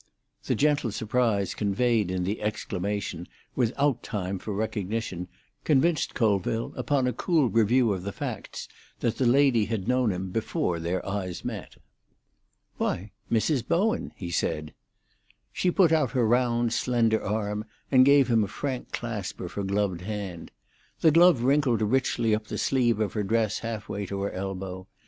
The gentle surprise conveyed in the exclamation, without time for recognition, convinced Colville, upon a cool review of the facts, that the lady had known him before their eyes met. "Why, Mrs. Bowen!" he said. She put out her round, slender arm, and gave him a frank clasp of her gloved hand. The glove wrinkled richly up the sleeve of her dress half way to her elbow.